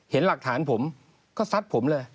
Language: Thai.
เห็นหลักฐานผมก็ซัดผมเลย